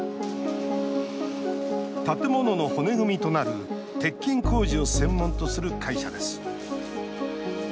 建物の骨組みとなる鉄筋工事を専門とする会社です。